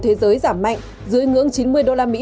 thế giới giảm mạnh dưới ngưỡng chín mươi đô la mỹ